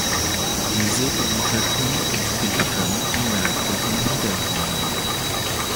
Diese belieferten und beliefern die Märkte am Niederrhein.